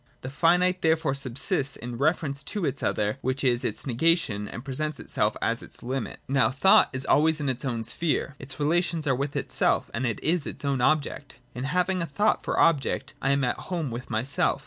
The finite therefore subsists in reference to its other, which is its negation and presents itself as its limit. Now thought is always in its own sphere; its relations are with itself, and it is its own object. In having a thought for object, I am at home with myself.